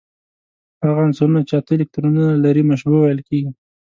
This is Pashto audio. هغه عنصرونه چې اته الکترونونه لري مشبوع ویل کیږي.